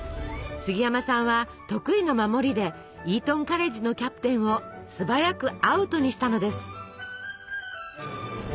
杉山さんは得意の守りでイートンカレッジのキャプテンを素早くアウトにしたのです。